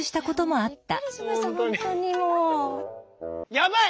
やばい！